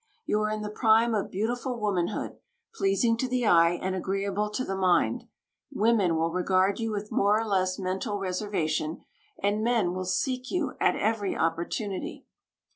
You are in the prime of beautiful womanhood, pleasing to the eye, and agreeable to the mind. Women will regard you with more or less mental reservation, and men will seek you at every opportunity.